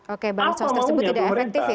oke pengawasan sosial tersebut tidak efektif ya